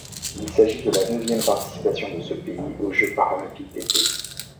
Il s'agit de la neuvième participation de ce pays aux Jeux paralympiques d'été.